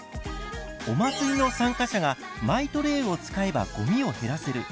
お祭りの参加者がマイトレイを使えばごみを減らせる。